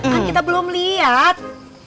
kan kita belum lihat